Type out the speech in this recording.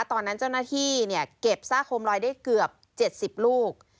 ตอนนั้นเจ้าหน้าที่เนี่ยเก็บซากโคมลอยได้เกือบ๗๐ลูก